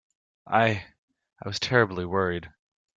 I—I was terribly worried.